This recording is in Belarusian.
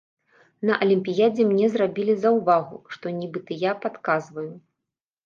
На алімпіядзе мне зрабілі заўвагу, што нібыта я падказваю.